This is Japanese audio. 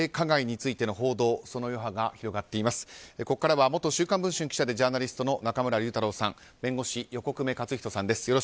ここからは元「週刊文春」記者でジャーナリストの中村竜太郎さん弁護士、横粂勝仁さんです。